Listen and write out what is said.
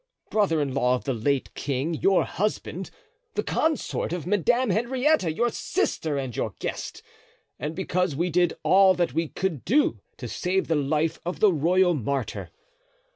brother in law of the late king, your husband, the consort of Madame Henrietta, your sister and your guest, and because we did all that we could do to save the life of the royal martyr.